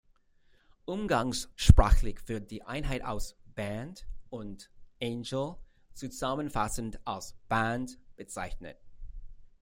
Umgangssprachlich wird die Einheit aus "Band" und "Angel" zusammenfassend als "Band" bezeichnet.